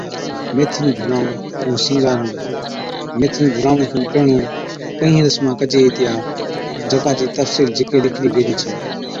ميٿِي نُون جھُلاوَڻ ائُون سِِنگارڻ، ميٿي نُون جھُلاوَڻي کن پيھڻُون ڪھِين رسما ڪجي ھِتيا، جڪا چِي تفصِيل جھِڪي لِکلِي گيلِي ڇَي